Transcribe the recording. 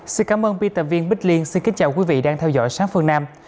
xin cảm ơn biên tập viên bích liên xin kính chào quý vị đang theo dõi sáng phương nam